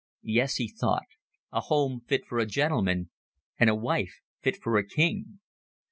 Yes, he thought, a home fit for a gentleman, and a wife fit for a king.